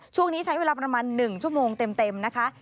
ช่วงนี้ใช้เวลาประมาณ๑ชั่วโมงเต็มนะคะ